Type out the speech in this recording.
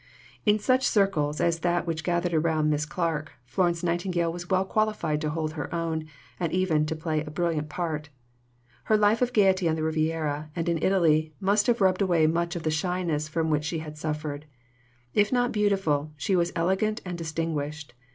Julius and Mary Mohl, p. 29. In such circles as that which gathered around Miss Clarke, Florence Nightingale was well qualified to hold her own and even to play a brilliant part. Her life of gaiety on the Riviera and in Italy must have rubbed away much of the shyness from which she had suffered. If not beautiful, she was elegant and distinguished.